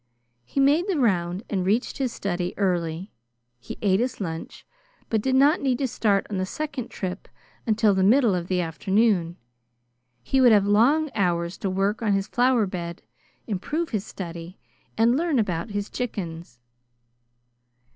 He made the round and reached his study early. He ate his lunch, but did not need to start on the second trip until the middle of the afternoon. He would have long hours to work on his flower bed, improve his study, and learn about his chickens.